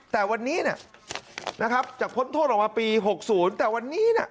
แต่วันนี้เนี่ยนะครับจากพ้นโทษออกมาปี๖๐แต่วันนี้น่ะ